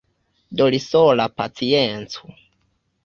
Do li sola paciencu!